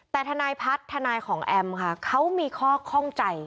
แต่ทนายพัฒน์ทนายของแอมค่ะเขามีข้อคล่องใจ